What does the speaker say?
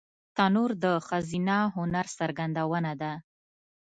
تنور د ښځینه هنر څرګندونه ده